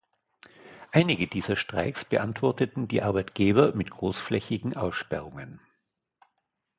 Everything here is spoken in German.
Einige dieser Streiks beantworteten die Arbeitgeber mit großflächigen Aussperrungen.